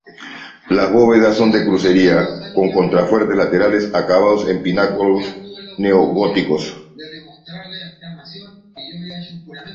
Las bóvedas son de crucería, con contrafuertes laterales, acabados en pináculos neogóticos.